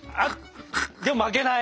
でも負けない。